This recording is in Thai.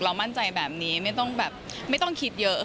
เรามั่นใจแบบนี้ไม่ต้องคิดเยอะค่ะ